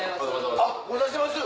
あっご無沙汰してます